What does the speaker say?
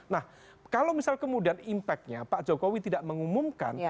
nah kalau misal kemudian impactnya pak jokowi tidak mengumumkan